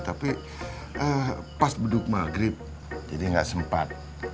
tapi pas beduk maghrib jadi nggak sempat